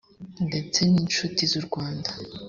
ndetse n inshuti z u rwanda